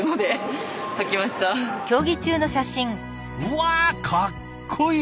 わあかっこいい！